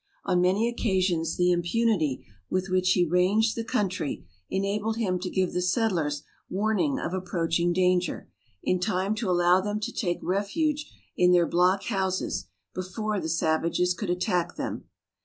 On many occasions the impunity with which he ranged the country enabled him to give the settlers warning of approaching danger, in time to allow them to take refuge in their block houses before the savages could attack them.